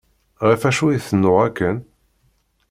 Ɣef acu i tennuɣ akken?